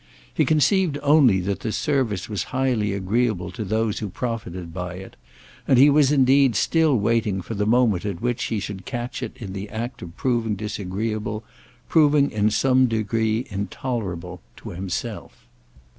He conceived only that this service was highly agreeable to those who profited by it; and he was indeed still waiting for the moment at which he should catch it in the act of proving disagreeable, proving in some degree intolerable, to himself.